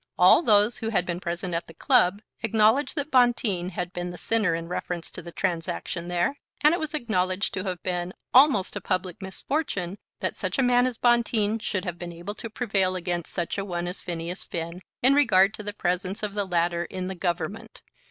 All those who had been present at the club acknowledged that Bonteen had been the sinner in reference to the transaction there; and it was acknowledged to have been almost a public misfortune that such a man as Bonteen should have been able to prevail against such a one as Phineas Finn in regard to the presence of the latter in the Government.